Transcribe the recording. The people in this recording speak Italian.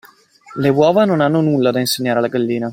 Le uova non hanno nulla da insegnare alla gallina.